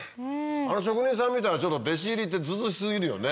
あの職人さんみたいな人に弟子入りってずうずうし過ぎるよね。